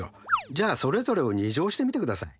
じゃあそれぞれを２乗してみてください。